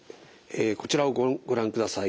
こちらをご覧ください。